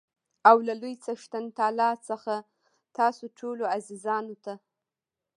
او له لوى څښتن تعالا څخه تاسو ټولو عزیزانو ته